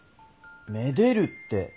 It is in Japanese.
めでるって。